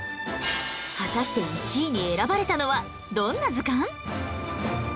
果たして１位に選ばれたのはどんな図鑑？